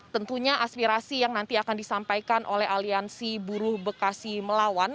tentunya aspirasi yang nanti akan disampaikan oleh aliansi buruh bekasi melawan